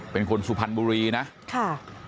เป็นคนสุพรรณบุรีนะค่ะ